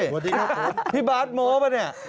พี่บาร์ทโม้ปะเนี่ย